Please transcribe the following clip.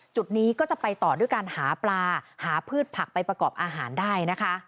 จุดนี้ก็จะไปต่อด้วยการหาปลาหาพืชผักไปประกอบอาหารได้นะคะ